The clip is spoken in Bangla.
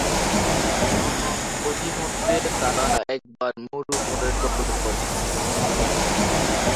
পথিমধ্যে তারা একবার মরু ঝড়ের কবলে পরে।